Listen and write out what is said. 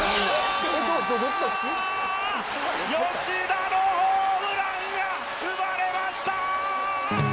吉田のホームランが生まれました。